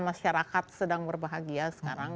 masyarakat sedang berbahagia sekarang